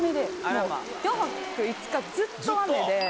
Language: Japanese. ４泊５日ずっと雨で。